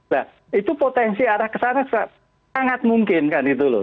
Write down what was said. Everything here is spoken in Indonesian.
nah itu potensi arah kesana sangat mungkin kan itu loh